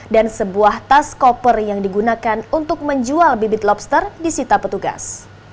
dan sebuah tas koper yang digunakan untuk menjual bibit lobster di sita petugas